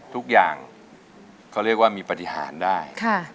ทุกอย่างเขาเรียกว่ามีปฏิหารได้